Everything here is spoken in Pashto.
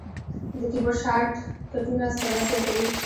د کیبورډ شارټ کټونه سرعت زیاتوي.